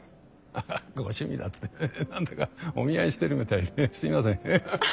ハハッご趣味なんて何だかお見合いしてるみたいですいません。